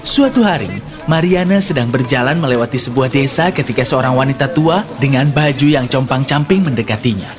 suatu hari mariana sedang berjalan melewati sebuah desa ketika seorang wanita tua dengan baju yang compang camping mendekatinya